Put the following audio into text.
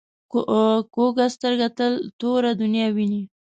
کوږه سترګه تل توره دنیا ویني